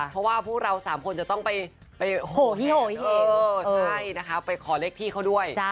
เพราะว่าผู้เราสามคนจะต้องไปโหแหงไปขอเล็กพี่เขาด้วย